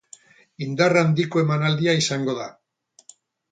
Indar handiko emanaldia izango da.